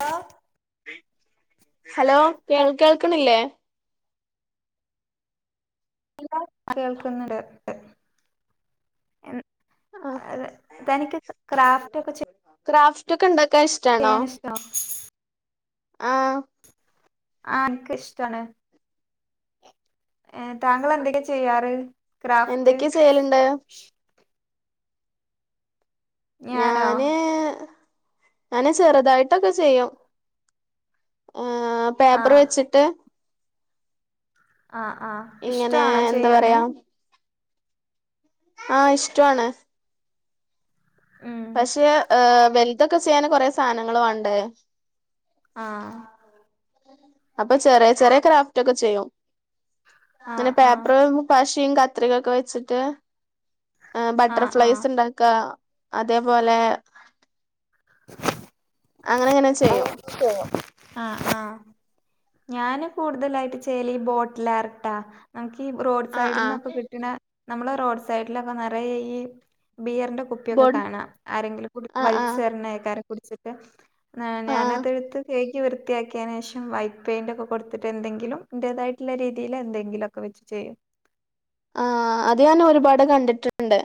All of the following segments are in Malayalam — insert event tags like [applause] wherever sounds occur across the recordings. ഓ ഹലോ കേൾ കേൾക്കണില്ലേ കേൾക്കുന്നണ്ട് ആ തനിക്ക് ക്രാഫ്റ്റ് ഒക്കെ ക്രാഫ്റ്റ് ഒക്കെ ഉണ്ടാക്കാൻ ഇഷ്ടാണോ ചെയയാനിഷ്ട്ടോ ആ ആഹ എനക്ക് ഇഷ്ടാണ് ഏ താങ്കൾ എന്തൊക്കെയെ ചെയ്യാറ് ക്രാഫ്റ്റ് എന്തൊക്കെയാ ചെയ്യലുണ്ട് ഞാനോ ഞാന് ഞനെ ചെറുതായിട്ടൊക്കെ ചെയ്യും ആ ആ പേപ്പർ വെച്ചിട്ട് ആഹ ആ ഇങ്ങനെ ഇഷ്ടാണോ എന്താ ചെയ്യാന് ആഹ ഇഷ്ടാണ് ഉം പക്ഷേ ഏ വലുതൊക്കെ ചെയ്യാന് കൊറെേ സാധനങ്ങള് വാണ്ടേ ആഹ് അപ്പൊ ചെറിയ ചെറിയ ക്രാഫ്റ്റ് ഒക്കെ ചെയ്യും ആ അങ്ങനെ ആ പേപ്പർ ആ പശ യും കത്രികക്കെ വെച്ചിട്ട് ആ ആ ബട്ടർഫ്ലൈസ് ഉണ്ടാക്കുക അതേപോലെ അങ്ങനെ അങ്ങനെ ചെയ്യും ആഹ ആഹ ഞാന് കൂടുതലായിട്ട് ചെയ്യല് ഈ ബോട്ടിൽ ആർട്ട റോഡ് ആ സൈഡിൽ ആ നിന്നൊക്കെ കിട്ടണ നമ്മള റോഡ് സൈഡിലൊക്കെ നിറയ ഈ ബിയറിന്റെ കുപ്പിയൊക്കെ ബോൺ കാണാം ആരെങ്കിലും കുടി ആ ആ വലിച്ചെ റിഞ്ഞ കുടിച്ചിട്ട് ആ ആ ഞാനത് എടുത്ത് കയി വൃത്തിയാക്കിയതിന് ശേഷം വൈറ്റ് പെയിന്റ് ഒക്കെ കൊടുത്തിട്ട് എന്തെങ്കിലും ഇന്റേതായിട്ടുള്ള രീതിയിൽ എന്തെങ്കിലും ഒക്കെ വെച്ച് ചെയ്യും. ആ അത് ഞാൻ ഒരുപാട് കണ്ടിട്ടുണ്ട്.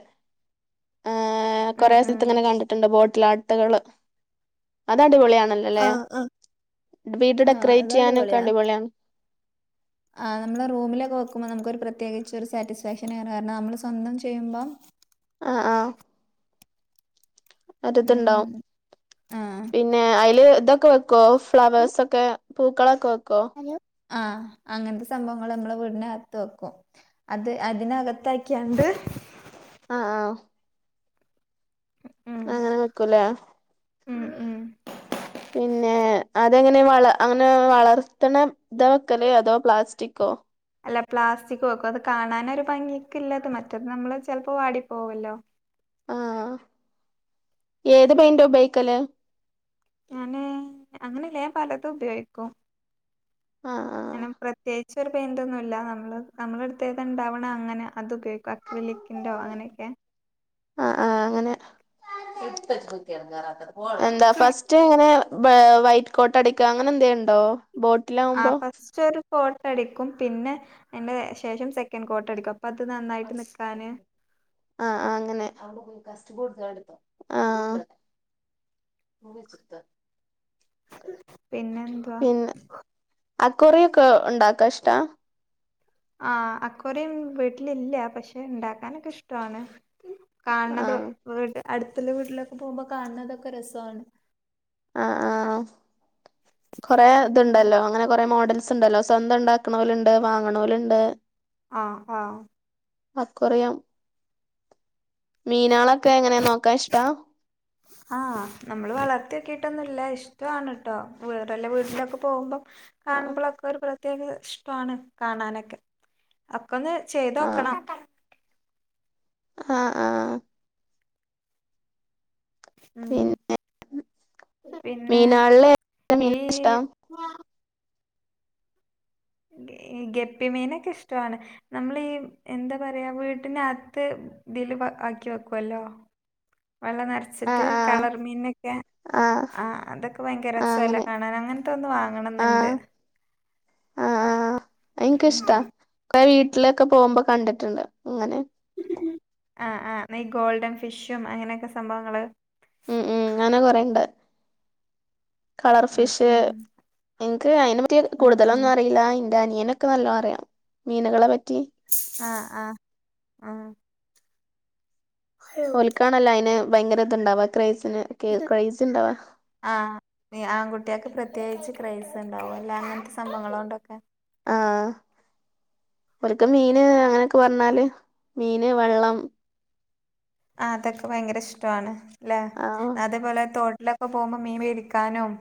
ആ ഉം കുറെ ഉം സ്ഥലത്ത് ഇങ്ങനെ കണ്ടിട്ടുണ്ട് ബോട്ടിലാട്ടുകള് അത് അടിപൊളിയ. അന്നോലല്ലേ ആഹ് ആഹ് വീട് ആഹ് ഡെക്കറേറ്റ് ചെയ്യാനൊക്കെ അടിപൊളിയാണ്. ആ നമ്മള് റൂമിലൊക്കെ വെക്കുമ്പോൾ നമുക്ക് ഒരു പ്രത്യേകിച്ച ഒരു സാറ്റിസ്ഫാക്ഷൻ ആണ് കാരണം നമ്മള് സ്വന്തം ചെയ്യുമ്പം ആ ആ. അതിത് ഉം ഇണ്ടാവും ആഹ് പിന്നെ അതിൽ ഇതൊക്കെ വെക്കുവോ ഫ്ലവർസൊക്കെ? പൂക്കളൊക്കെ വെക്കോ ഹാലോ? ആ അങ്ങനത്തെ സംഭവങ്ങൾ നമ്മെ വീടിനകത്ത് വെക്കും അത് അതിനകത്താക്കിയാണ്ട് ആ ആ. ഉം അങ്ങനെ വെക്കൂലേ. ഉം ഉം. പിന്നെ അതെങ്ങനെ വള അങ്ങനെ വളർത്തണ ഇത വെക്കലേ അതോ പ്ലാസ്റ്റിക്കോ? അല്ല പ്ലാസ്റ്റിക്ക വെക്കും അത് കാണാനൊ ഒരു ഭംഗിയക്ക് ഇല്ലത് മറ്റത് നമ്മള് ചിലപ്പോ വാടിപ്പോവല്ലോ. ആ ഏത് പെയിൻ്റാ ഉപയോഗിക്കല്? ഞാന് അങ്ങനെല്ല ഞാൻ പലതും ഉപയോഗിക്കും. ആഹ് ആഹ് അങ്ങനെ പ്രത്യേകിച്ച് ഒരു പെയിന്റ് ഒന്നും ഇല്ല നമ്മള് നമ്മള അടുത്തേത് ഇണ്ടാവണം അങ്ങനെ അത് ഉപയോഗിക്കും അ അങ്ങനെയൊക്കെ ആ ആ അങ്ങനെ എന്താ ഫസ്റ്റ്ങ്ങനെ വൈറ്റ് കോട്ട് അടിക്കുക അങ്ങനെ എന്തണ്ടോ ആ ബോട്ടിലാവുമ്പോ? ഫസ്റ്റ് ഒരു കോട്ട് അടിക്കും പിന്നെ അതിന്റെ ശേഷം സെക്കൻഡ് കോട്ട് അടിക്കും അപ്പ അത് നന്നായിട്ട് നിക്കാന് ആ അങ്ങനെ. ആ. പിന്നെന്താ? ആ കുറൊക്കെ ഉണ്ടാക്കാ ഇഷ്ടാ? ആ അക്വേറിയം വീട്ടിലില്ല പക്ഷെ ഉണ്ടാക്കാനൊക്കെ ഇഷ്ടാണ്. കാണണത് ആഹ് വീ അടുത്തുള്ള വീട്ടിലൊക്കെ പോകുമ്പോ കാണണതൊക്കെ രസമാണ്. ആ ആ കൊറെ ഇത്ണ്ടല്ലോ അങ്ങനെ കൊറെ മോഡൽസ് ഉണ്ടല്ലോ സ്വന്തം ഉണ്ടാക്കണവലുണ്ട് വാങ്ങണവലുണ്ട്. ആ ആ. അക്വേറിയം മീനാളൊക്കെ എങ്ങനെയാ നോക്കാൻ ഇഷ്ടാ? ആഹ് നമ്മള് വളർത്തിയക്കിട്ടൊന്നുല്ല ഇഷ്ടണ് ട്ടോ വേറെല്ല വീട്ടിലൊക്കെ പോകുമ്പോ ആഹ് കാണുമ്പോഴൊക്കെ ഒരു പ്രത്യേക ഇഷ്ടമാണ് കാണാനൊക്കെ ഒക്ക ഒന്ന് ചെയ്ത് നോക്കണം. ആ ആ. ഉം. പിന്നെ പിന്നെ മീനാളില് ഏത് ഈ മീനാ ഇഷ്ടം ഗപ്പിമീനൊക്കെ ഇഷ്ടമാണ് നമ്മൾ ഈ എന്താ പറയാ വീട്ടിനകത്ത് ഇതില് ആക്കി വെക്കുവല്ലോ. വെള്ള ആഹ് നിറച്ചിട്ട് ആഹ് കളർ മീനൊക്കെ. ആഹ് ആ അതൊക്കെ ഭയങ്കര ആഹ് രസല്ലേ അങ്ങനെ കാണാൻ അങ്ങനത്തെ ഒന്ന് വാങ്ങണന്നുണ്ട്. ആഹ് എനിക്ക് ഉം ഇഷ്ടാ ഉം. കുറേ വീട്ടിലൊക്കെ പോകുമ്പോ കണ്ടിട്ടുണ്ട് അങ്ങനെ. ആ ആ ഈ ഗോൾഡൻ ഫിഷും അങ്ങനെയൊക്കെ സംഭവങ്ങള് ഉം ഉം അങ്ങനെ കൊറെേണ്ട് കളർ ഉം ഫിഷ് ഉം എനിക്ക് അതിനെ പറ്റ ഉം ഉം. കൂടുതലൊന്നും അറിയില്ല ഡനിയനൊക്കെ നല്ല അറയാം മീനുകളെ പറ്റ ആഹ ആഹ ആഹ ൽക്കാണല്ല അതിന് ഭയങ്കര ഇത്ണ്ടാവ ക്രേസ് ഇണ്ടാവാ ആഹ ആൺകുട്ടിയൊക്കെ പ്രത്യേകിച്ച് ക്രൈസ് ഉണ്ടാവും അല്ല അങ്ങനത്തെ സംഭങ്ങളോ കൊണ്ടൊക്കെ ആഹ ഒക്കെ മീന് അങ്ങനെയൊക്കെ പറഞ്ഞാല് മീന് വെള്ളം ആ അതൊക്കെ ഭയങ്കര ഇഷ്ടമാണ്ല്ലേ ആഹ് അതേപോലെ തോട്ട ഉൊക്കെ പോകുമ്പോ മീമ ഇരിക്കാനും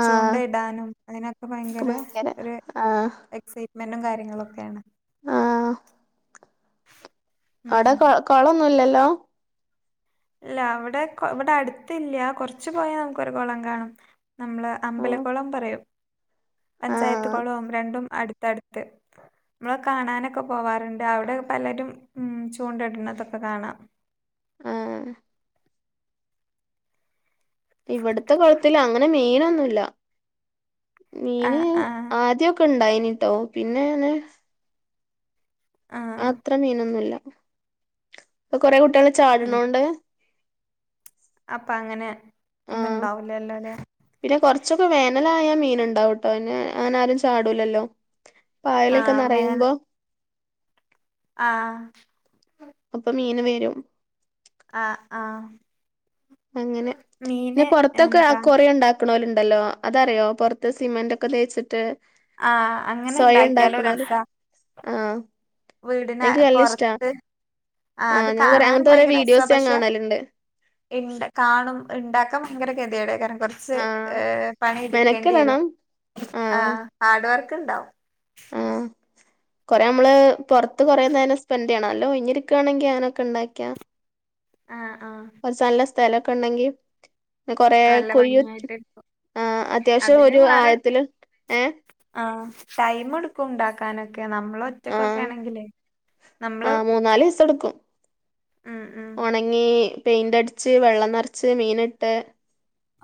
ആഹ് ചൂണ്ടയിടാനും അതിനൊക്കെ ഭയങ്കര ഒരു എക്സൈ മനും കാര്യങ്ങളുംൊക്കെയാണ് ആഹ ഉം അടെ കളൊന്നുംല്ലല്ലോ ഇല്ല ഇവിടെ ഇവിടെ അടുത്തല്ല കുറച്ച്ു പോയാ നമുക്ക്ൊരു കുളം കാണും നമ്മള് ആഹ് അമ്പലക്കുളം പറയും പഞ്ചായത്ത ആഹ് കുളവും രണ്ടും അടുത്തടുത്ത് നമ്മള കാണാനൊക്കെ പോവാറുണ്ട് അവിടെ പലരും ഉ ചൂണ്ട ഇടുന്നതൊക്കെ കാണാം ന്നണ്വവവഹജ്ജ് ആഹ ഇവിടത്തെ കുളത്തിൽ അങ്ങനെ മീനൊന്നുമില്ല ആ മീന് ആ ആദ്യൊക്കെ ഒക്ക ഇണ്ടായിനട്ടോ പിന്നെന്നെ ആ അത്ര മീനൊന്നുമല്ല അപ്പൊ കൊറെ കുട്ടികൾ ഉം ചാടണോണ്ട് അപ്പൊ അങ്ങനെ ആഹ ഇതുണ്ടാവൂലല്ലോ ല്ലേ പിന്നെ കൊറച്ചൊക്കെ വേനലായ മീന ഉണ്ടാവട്ടോ അന്നെ അങ്ങന ആാരും ചാടൂലല്ലോ പായലൊക്കെ നിറയുമ്പോ ആഹ ഞ്ഞ മ് ആഹ ആഹ അങ്ങനെ പിന്നെ പൊറത്തൊക്കെ എന്താ അക്കോറിയം ഇണ്ടാക് ക്ക്‌ണോലുണ്ടല്ലോ അതറിയോ പൊറത്ത് സിമന്റോക്കെ തേച്ചിട്ട് ആഹ അങ്ങനെ ഇണ്ടാക്കിയാലും രസ ആഹ എൻക്ക് ന്നല്ലിഷ്ട്ടാ പൊറത്ത് ആഹ് ആ അത് ഞാൻ കൊറേ അങ്ങൻത്തെ കൊറേ വീഡിയോസ് ഞാൻ കാണല്ണ്ട് ഇണ്ട് കാണും ഇണ്ടാക്കാൻ ഭയങ്കര ഗതികേടെക്കാരം കൊർച്ച് ആഹ് ഏ പണി ഇടുക്കണ്ടി വരും മെനക്കെടണം ആ ആഹ് ഹാഡ് വർക്ക് ക്ക്‌ ഇണ്ടാവും ആഹ് കൊറേ അമ്മള് പൊറത്ത് കൊറേന്നേരം സ്പെൻടെയ്യണം അല്ലഒയ്ഞ്ഞിരിക്കേണെങ്കി അങ്ങനൊക്കെ ഇണ്ടാക്ക്യാ ആഹ് ആഹ് സ്ഥലൊക്കെ ഇണ്ടെങ്കി പിനെ കൊറേ നല്ല കൊയ്യു ച്ചും ഭംഗിയായിട്ട് എടുക്കും ആ അത്യാവശ്യം അതിന് ഒരു വേറെ ആയത്തില് ഏ ട്ടൈം ഇട്ക്കും ഉണ്ടാക്കാനൊക്കെ ന്നമ്മ്ളൊറ്റക്കൊക്കെ ആഹ് ആണെങ്കിലേ ന്നമ്മ്ള് ഉണങ്ങി പെയ്ന്റടിച്ച് വെള്ളം ന്നർച്ച് മീനിട്ട്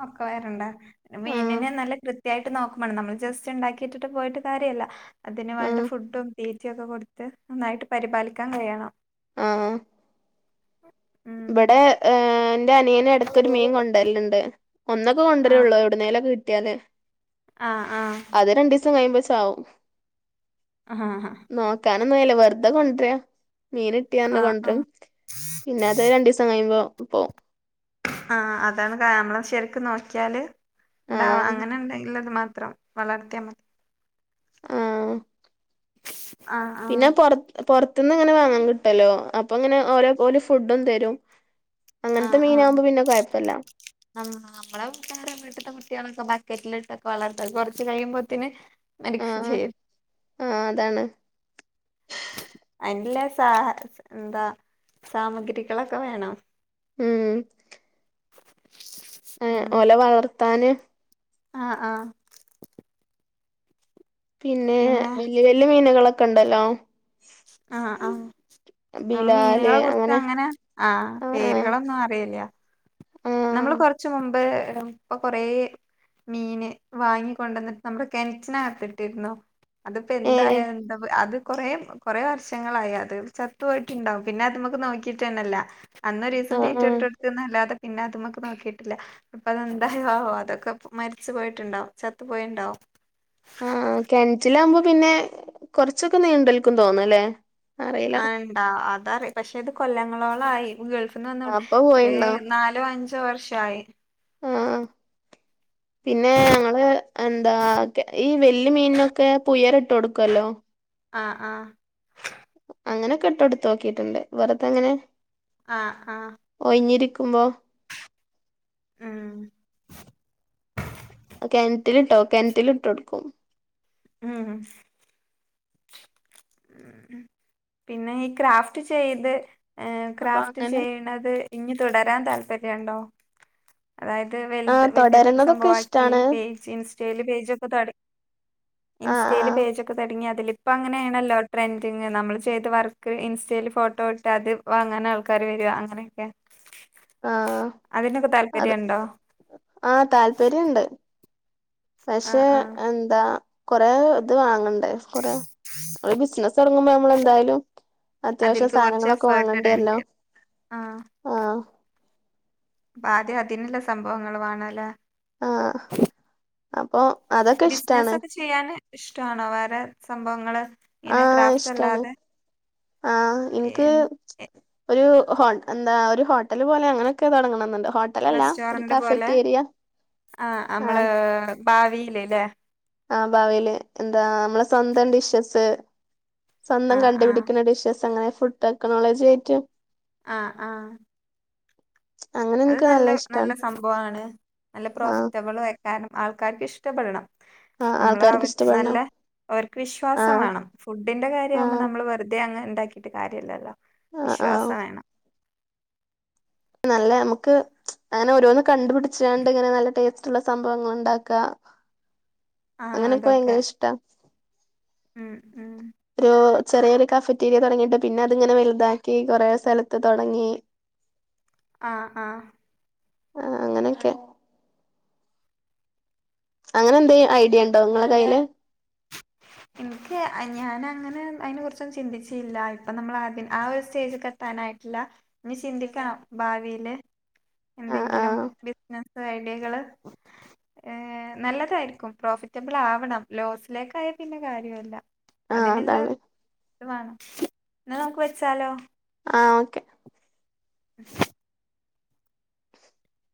ഒക്കെ വേരണ്ട പിനെ ആഹ് മീനിനെ ന്നല്ല കൃത് കൃത്യായിട്ട് ന്നോക്കുംമെണം ന്നമ്മള് ജസ്റ്റ് ഇണ്ടാക്കിട്ടിട്ട് പോയിട്ട് കാര്യല്ല അതിന് വേണ്ട ആഹ് ഫുഡും തീ റ്റ്യൊക്കെ കൊട്ത്ത് നന്നായ്ട്ട് പരിബാലിക്കാൻ കഴിയണം ആഹ [unintelligible] ഇവടെ ഏൻ ന്റെ അനിയനെടക്കൊരു മീൻ കൊണ്ടര്ല്ണ്ട് ഒന്നൊക്കൊ കൊണ്ട്രോള്ളൂ എവ്ട്ന്നേലൊക്കെ കിട്ട്യാല് ആഹ ആഹ ച്ച് കയ്യുമ്പ ചാവും അ ഹ അ ഹ എന്നുയ്ല വെർതെ കൊണ്ട്രാ മീനിഇട്ടി പർന് ആഹ് കൊണ്ട്രും ആഹ് പിന്നത് രണ്ടീസം കയ്യുമ്പോ പ്പോ ആഹ അതാണ് കേമറ ശെരിക്ക് ന്നോക്കിയാല് ഇണ്ടാവാ ആഹ് അങ്ങനെന്തെങ്കിലത് മാ ത്രം വളർത്തിയാ മതി ആഹ ആഹ് ആഹ് പിനെ പൊറത് പൊറത് ത്ത്ന്ന് ങ്ങനെ വാങ്ങാൻ കിട്ടൊല്ലോ അപ്പൊ ഇങ്ങനെ ഓരോ ഓല് ഫുഡും തരും അങ്ങനത്തെ ആഹ മീനാകുമ്പോ പിന്നെ കൊഴപ്പല്ല ആഹ നമ്മളെ കുട്ടാര വീട്ട്ത്തെ കുട്ടികള ഒക്ക ബക്കറ്റ്ലിട്ടൊക്കെ വളർത്ത കൊറച്ച് കയ്യുമ്പത്തിന് മഡക്കു ചെയ്യും ആഹ അതാണ് അൻല്ല സാഹ എന്താ സാമഗ്രികളൊക്കെ വേണം ഉം ഏ ഓല വളർത്താന് ആഹ ആഹ പിന്നെ വെല്യ വെല്യ മീനുകളൊക്ക്‌ണ്ടല്ലോ ആ ആ ഇപ്പളും ബിലാല് മീനുകളെ അങ്ങനെ കുറിച്ചങ്ങനെ ആ ആഹ് ആഹ് പേരുകളൊന്നും അറിയില്ല നമ്മള് ആഹ് കൊറച്ച് മുമ്പ് ഉപ്പ കൊറേ മീന് വാങ്ങിക്കൊണ്ടന്നിട്ട് ന്നമ്ക്ക്‌ കെൻറ്റിനകത്തിട്ടിരുന്നു അതിപ്പെ എന്തായ ഏഹ് എന്താ വ അത് കൊറേ കൊറേ വർഷങ്ങളായി അത് ചത്തു പോയിട്ട്ണ്ടാവും പിന്നത് മ്മക്ക്ന്നൊക്കിട്ടനനല്ല അന്നൊരീസം ആഹ് ആഹ് തീറ്റട്ടോട്ത്ത്ന്നല്ലാതെ പിനത് മ്മക്ക് ന്നോക്കിട്ടില്ല ഇപ്പതെന്തായാവോ അതൊക്കെ പ് മരിച്ചു പോയിട്ടുണ്ടാവും ചത്തു പോയിണ്ടാവും [inaudible] ആ കിണറ്റിലകുമ്പോ പിന്നെ കൊറച്ചൊക്കെ നീണ്ടൽക്കും തോന്ന അല്ലേ ആ ഉണ്ടാ അതറി പക്ഷെ ഇത് കൊല്ലങ്ങളോളം ആയി ഗൾഫിൽന്ന് വന്നോണ്ട് അപ്പൊ ഒ പോയിണ്ടോ നാലോ അഞ്ചോ വർഷയി [inaudible] ആഹ് പിന്നെ ഞങ്ങള് എന്താ ഈ വെല് മീനിനൊക്കെ പുയർ ഇട്ട് കൊടുക്കുവല്ലോ ആ ആ അങ്ങനെക്കെട്ട എടുത്ത് നോക്കിയിട്ടുണ്ട് വെറുത്തെങ്ങനെ ആ ആ ഉം കെണറ്റിൽട്ടോ കെണറ്റിലെ എടുക്കും ഉം പിന്നെ ഈ ക്രാഫ്റ്റ് ചെയ്ത് ഏർ അപ്പൊ ക്രാഫ്റ്റ് അങ്ങനെ ചെയ്യണത് ഇനി തുടരാൻ താല്പര്യുണ്ടോ അതായത് ആ വലത് വലിയത് തുടരണതൊക്കെ സംഭവക്കി ഇഷ്ടാണ് പേജ് ഇൻസ്റ്റൽ പേജ ഒക്കെ തട ആ ഇൻസ്റ്റൽ പേജൊക്കെ തുടങ്ങി അ ഇപ്പൊ അങ്ങനെയാണല്ലോ ട്രെൻഡിങ് നമ്മൾ ചെയ്ത് വർക്ക് ഇൻസ്റ്റയിൽ ഫോട്ടോ ഇട്ട് അത് വാങ്ങാ ആൾക്കാര് വ അങ്ങനെയൊക്കെ ആ അതിനൊക്കെ അത് താല്പര്യണ്ടോ ആ താല്പര്യുണ്ട് ആ പക്ഷെ ആ എന്താ കൊറെേ ഇത് വാങ്ങണ്ട കൊറെ നള് ബിസിന ഇറങ്ങുമ്പോ നമ്മള എന്തായാലും അത്യാവശ്യം സാധനങ്ങളൊക്കെ വാങ്ങേണ്ടല്ലോ ആ അപ്പ ആദ്യം അതിനുള്ള സംഭവങ്ങൾ വേണ അല്ലെ ആ അപ്പൊ അതൊക്കെ ബിസിനെസ് ഇഷ്ടാണ് ഒക്കെ ചെയ്യാന് ഇഷ്ടാണോ വേറെ സംഭവങ്ങൾ ആ ഇഷ്ടാണ് ആ ഇൻക്ക് ഒരു ഹോ എന്താ ഒരു ഹോട്ടൽ പോലെ അങ്ങനെയൊക്കെ തൊടങ്ങണം ന്നുണ്ട് ഹോട്ടലല്ല ഒരു റെസ്റ്റോറന്റ് പോലെ കാഫറ്റ് ഏരിയ ആ ഭാവില് ലേ ആ ഭാവിൽ എന്താ നമ്മളെ സ്വന്തം ഡിഷസ് സ്വന്തം ആഹ് ആഹ് കണ്ടുപിടിക്കുന്ന ഡിഷസ് അങ്ങനെ ഫുഡ് ടെക്നോളജി ആയിട്ടും ആ ആ അങ്ങനെ അത് എനിക്ക് നല്ല നല്ല ഇഷ്ടാണ് സംഭവമാണ് നല്ല ആഹ് പ്രോഫിറ്റബിൾ വെക്കാനും ആൾക്കാർക്ക് ഇഷ്ടപ്പെടണം ആഹ് നമ്മള് ആൾക്കാർക്ക് അവർ നല്ല ഇഷ്ടപ്പെടണം അവർക്ക് വിശ്വാസം ആഹ് വേണം ഫുഡിന്റെ കാര്യാവുമ്പോ ആഹ് നമ്മൾ വെറുതെ അങ്ങ് ഉണ്ടാക്കിട്ട് കാര്യല്ലല്ലോ ആഹ് ആഹ് വിശ്വാസം വേണം നല്ല നമുക്ക് അങ്ങനെ ഓരോന്ന് കണ്ടുപിടിച്ചാണ്ട് ഇങ്ങനെ നല്ല ടേസ്റ്റ്ള്ള സംഭവങ്ങൾ ഉണ്ടാക്കാ ആഹ് അങ്ങനെയൊക്കെ അതൊക്കെ ഭയങ്കര ഇഷ്ടാ ഉം ഉം ഒരു ചെറിയൊരു കഫറ്റീരിയ തുടങ്ങിയിട്ട് പിന്നെ അതിങ്ങനെ വലുതാക്കി കൊറേ സ്ഥലത്ത് തൊടങ്ങി ആ ആ ആ അങ്ങനെയൊക്കെ അങ്ങനെ എന്തേം ഐഡിയ ഇണ്ടോ ങ്ങളെ കയ്യില് ഇൻക്ക് ഞാന അങ്ങനെ അതിനെ കുറിച്ചൊന്നും ചിന്തിച്ചില്ല ഇപ്പൊ നമ്മൾ ആ ആ ഒരു സ്റ്റേജ്ക്ക് എത്താ നായിട്ടില്ല ഇഞ്ഞ് ചിന്തിക്കണം ഭാവിയില് ആ ആ എന്തെങ്കിലും ബിസിനസ് ഐഡിയകള് ഏ നല്ലതായിരിക്കും പ്രോഫിറ്റൊ പ്ളാവണം ലോസ് ലൈകാ പിന്നെ കാര്യൊല്ല ആ അതിനുള്ള അതാണ് ഇത് വാണം ന്നാ നമ്മക്ക് വെച്ചാലോ ആ ഓക്കെ [inaudible] [inaudible]